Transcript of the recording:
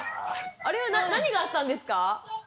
あれは何があったんですか？